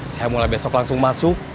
saya mulai besok langsung masuk